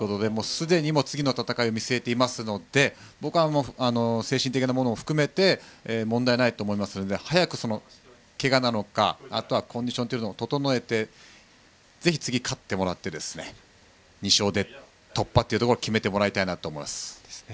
すでに次の戦いを見据えているので僕は精神的なものも含め問題ないと思いますので早く、けがなのかコンディションを整えてぜひ、次勝ってもらって２勝で突破を決めてもらいたいと思います。